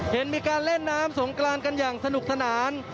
เห็นมีการเล่นน้ำสงกรานกันอย่างสนุกสนาน